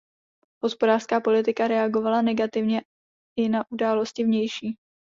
Hospodářská politika reagovala negativně i na události vnější.